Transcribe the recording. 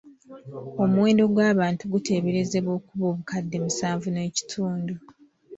Omuwendo gw’abantu guteeberezebwa okuba obukadde musanvu n’ekitundu.